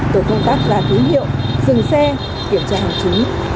tổ công tác ra thú hiệu dừng xe kiểm tra hàng chú